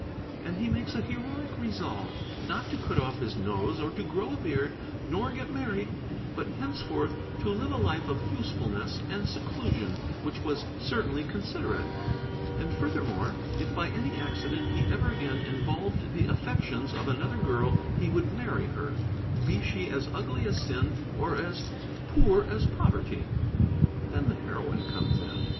And he makes a heroic resolve, not to cut off his nose or to grow a beard, nor get married, but henceforth to live a life of usefulness and seclusion, which was certainly considerate. And furthermore, if by any accident he ever again involved the affections of another girl he would marry her, be she as ugly as sin or as poor as poverty. Then the heroine comes in.